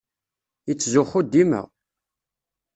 Yettzuxxu dima.